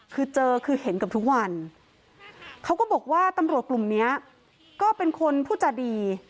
คือเจอคือเห็นเกือบทุกวันเขาก็บอกว่าตำรวจกลุ่มเนี้ยก็เป็นคนพูดจาดี